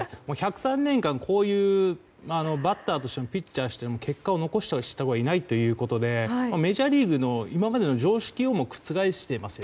１０３年間こういうバッターとしてもピッチャーとしても結果を残した人がいないということでメジャーリーグの今までの常識をも覆しています。